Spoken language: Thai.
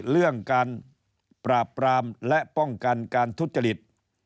เรื่องการปราบปรามและป้องกันการทุจริต